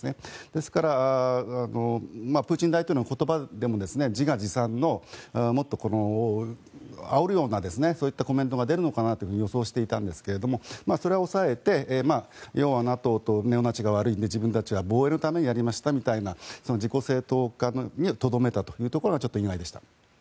ですからプーチン大統領の言葉でも自画自賛のもっとこのあおるようなそういったコメントが出るかなと予想していたんですがそれは抑えて、要はＮＡＴＯとネオナチが悪いんで自分たちは防衛のためにやりましたという自己正当化にとどめたというところが意外でした。